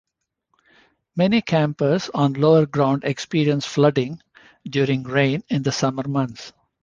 Many campers on lower ground experience flooding during rain in the summer months.